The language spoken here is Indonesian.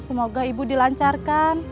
semoga ibu dilancarkan